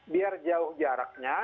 biar jauh jaraknya